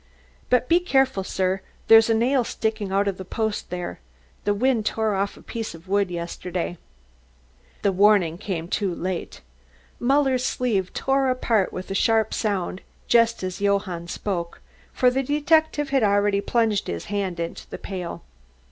But be careful, sir; there's a nail sticking out of the post there. The wind tore off a piece of wood yesterday." The warning came too late. Muller's sleeve tore apart with a sharp sound just as Johann spoke, for the detective had already plunged his hand into the pail.